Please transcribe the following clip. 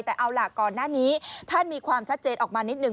แต่เอาล่ะก่อนหน้านี้ท่านมีความชัดเจนออกมานิดนึ